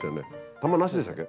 玉なしでしたっけ？